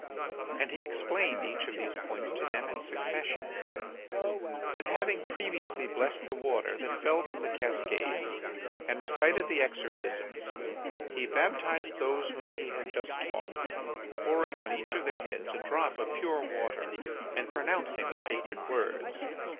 And he explained each of these points to them in succession. Then, having previously blessed the water that fell from the cascades and recited the exorcisms, he baptized those whom he had just taught, pouring on each of their heads a drop of pure water and pronouncing the sacred words.